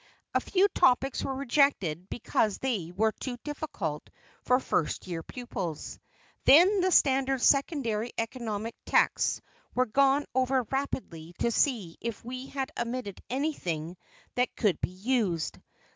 A few topics were rejected because they were too difficult for first year pupils. Then the standard secondary economic texts were gone over rapidly to see if we had omitted anything that could be used.